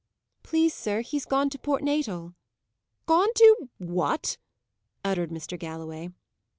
"Please, sir, he's gone to Port Natal." "Gone to what?" uttered Mr. Galloway.